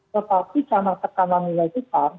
tetapi karena tekanan nilai besar